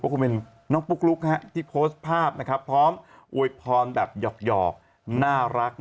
คงเป็นน้องปุ๊กลุ๊กที่โพสต์ภาพนะครับพร้อมอวยพรแบบหยอกน่ารัก